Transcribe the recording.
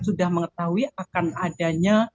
sudah mengetahui akan adanya